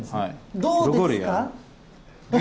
どうですか？